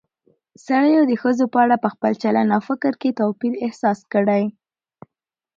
سړيو د ښځو په اړه په خپل چلن او فکر کې توپير احساس کړى